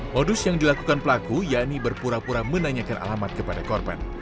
modus yang dilakukan pelaku yakni berpura pura menanyakan alamat kepada korban